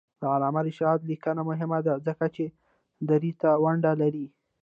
د علامه رشاد لیکنی هنر مهم دی ځکه چې دري ته ونډه لري.